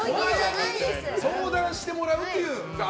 相談してもらうっていう。